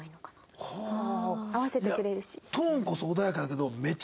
合わせてくれるし。